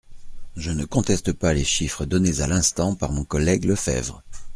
Je ne conteste pas les chiffres donnés à l’instant par mon collègue Lefebvre.